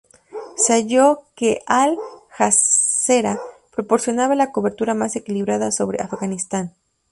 Se halló que Al Jazeera proporcionaba la cobertura más equilibrada sobre Afganistán.